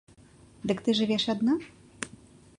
Дык ты жывеш адна?